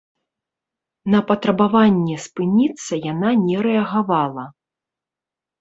На патрабаванне спыніцца яна не рэагавала.